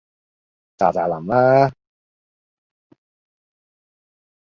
咋咋淋啦